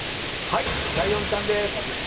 ライオンちゃんです。